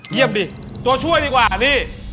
เยี่ยมดิตัวช่วยดีกว่านี่